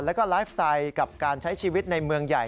แล้วก็ไลฟ์สไตล์กับการใช้ชีวิตในเมืองใหญ่